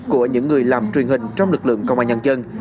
của những người làm truyền hình trong lực lượng công an nhân dân